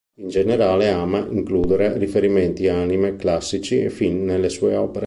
In generale ama includere riferimenti a anime classici e film nelle sue opere.